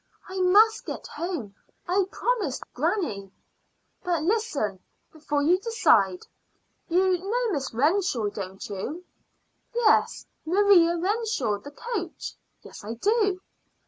"I must get home. I promised granny." "But listen before you decide. You know Miss Renshaw, don't you?" "Miss Maria Renshaw, the coach. Yes, I do."